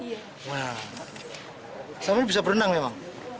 nah sambil bisa berenang memang